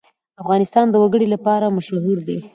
افغانستان د وګړي لپاره مشهور دی.